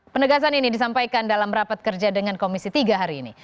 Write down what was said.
penegasan ini disampaikan dalam rapat kerja dengan komisi tiga hari ini